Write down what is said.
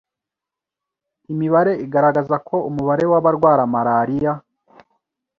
Imibare igaragaza ko umubare w’abarwara Malaria